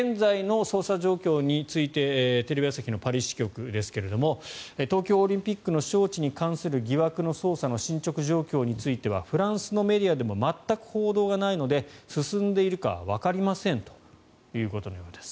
現在の捜査状況についてテレビ朝日のパリ支局ですが東京オリンピックの招致に関する疑惑の捜査の進ちょく状況に関してはフランスのメディアでも全く報道がないので進んでいるかはわかりませんということのようです。